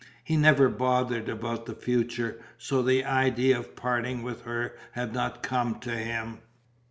He never bothered about the future, so the idea of parting with her had not come to him.